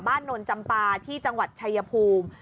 นนจำปาที่จังหวัดชายภูมิ